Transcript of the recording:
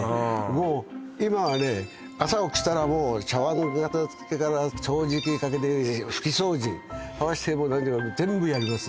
もう今はね朝起きたらもう茶碗の片付けから掃除機かけて拭き掃除こうしてもう何でも全部やります